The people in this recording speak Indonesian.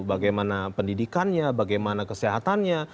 bagaimana pendidikannya bagaimana kesehatannya